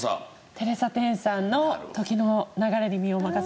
テレサ・テンさんの『時の流れに身をまかせ』。